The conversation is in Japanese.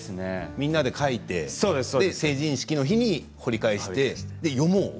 みんなで書いて成人式の日に掘り返して読もうと。